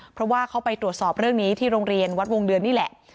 เพราะว่าเขาไปตรวจสอบเรื่องนี้ที่โรงเรียนวัดวงเดือนนี่แหละ